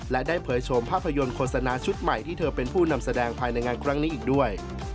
และได้เผยชมภาพยนตร์โฆษณาชุดใหม่ที่เธอเป็นผู้นำแสดงภายในงานครั้งนี้อีกด้วย